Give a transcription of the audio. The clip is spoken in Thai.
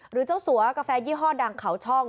หรือเจ้าสัวกาแฟยี่ห้อดังเขาช่อง